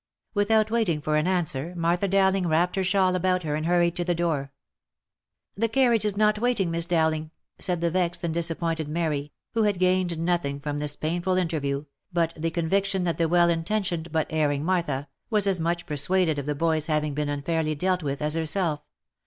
Without waiting for an answer, Martha Dowling wrapped her shawl about her and hurried to the door. " The carriage is not waiting, Miss Dowling," said the vexed and disappointed Mary, who had gained nothing from this painful inter view, but the conviction that the well intentioned, but erring Martha, was as much persuaded of the boy's having been unfairly dealt with, as herself.